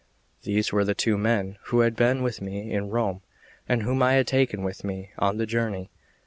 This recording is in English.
These were the two men who had been with me in Rome, and whom I had taken with me on the journey.